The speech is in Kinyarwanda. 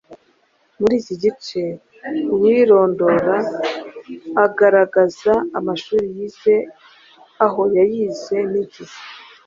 Muri iki gice, uwirondora agaragaza amashuri yize, aho yayize n’igihe,